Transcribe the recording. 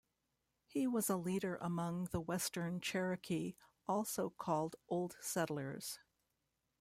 He was a leader among the Western Cherokee, also called Old Settlers.